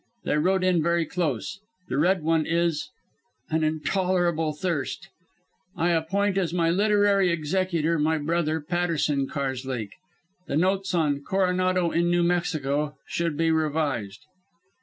They rode in very close. The Red One is An intolerable thirst "I appoint as my literary executor my brother, Patterson Karslake. The notes on 'Coronado in New Mexico' should be revised.